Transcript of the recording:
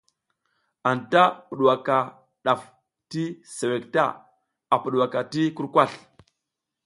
Anta pudwaka ɗaf ti suwek ta, a pudwaka ti kurkasl.